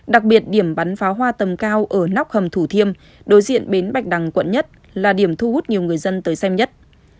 đặc biệt điểm bắn pháo hoa tầm cao ở nóc hầm thủ thiêm đối diện bến bạch đằng quận một là điểm thu hút nhiều người dân tới xem nhất